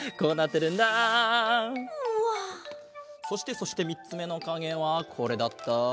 そしてそしてみっつめのかげはこれだった。